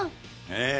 ええ。